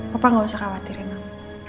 papa gak usah khawatirin dong